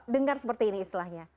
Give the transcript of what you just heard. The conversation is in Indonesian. dengar seperti ini istilahnya